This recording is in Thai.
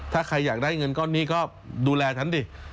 ถ้าใครอยากได้เงินก้อนนี้ก็ดูแลฉันดิ